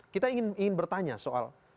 kita ingin bertanya soal